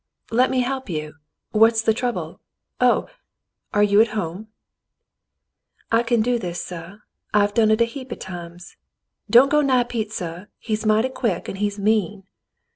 "Let me help you. What is the trouble ? Oh, are you at home ?'*" I can do this, suh. I have done it a heap of times. Don't go nigh Pete, suh. He's mighty quick, and he's mean."